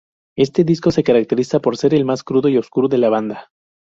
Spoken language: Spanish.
Este disco se caracteriza por ser el más crudo y oscuro de la banda.